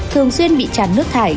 thường xuyên bị chán nước thải